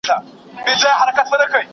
قهر لنډمهاله احساس دی.